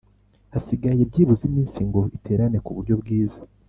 hasigaye byibuze iminsi ngo iterane ku buryo bwiza